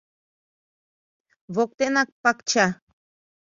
Воктенак пакча.